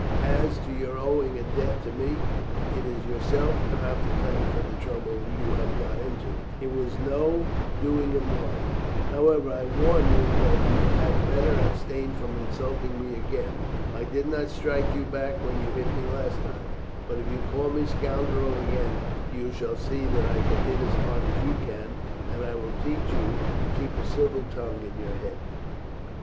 As to your owing a debt to me, it is yourself you have to thank for the trouble you have got into; it was no doing of mine. However, I warn you that you had better abstain from insulting me again. I did not strike you back when you hit me last time, but if you call me scoundrel again you shall see that I can hit as hard as you can, and I will teach you to keep a civil tongue in your head."